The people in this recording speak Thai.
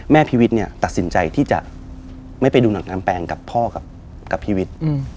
พี่วิทย์เนี่ยตัดสินใจที่จะไม่ไปดูหนังงามแปลงกับพ่อกับพี่วิทย์